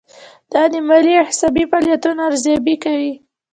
دا د مالي او حسابي فعالیتونو ارزیابي کوي.